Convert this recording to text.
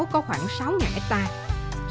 có khoảng sáu hectare